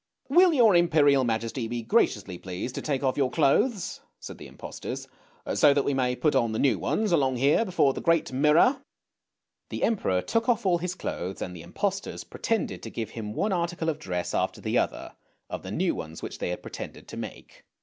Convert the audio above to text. " Will your imperial majesty be graciously pleased to take off your clothes," said the impostors, " so that we may put on the new ones, along here before the great mirror." The Emperor took off all his clothes, and the impostors pretended to give him one article of dress after the other, of the new ones which they had pretended to make.